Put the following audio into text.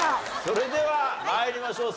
それでは参りましょう。